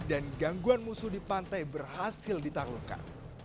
dan gangguan musuh di pantai berhasil ditaruhkan